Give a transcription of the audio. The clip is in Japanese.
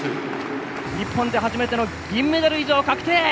日本で初めての銀メダル以上確定！